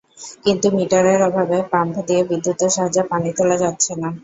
কিন্তু মিটারের অভাবে পাম্প দিয়ে বিদ্যুতের সাহায্যে পানি তোলা যাচ্ছে না।